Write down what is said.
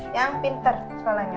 yang pinter sekolahnya